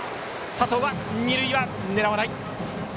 佐藤は二塁は狙わない。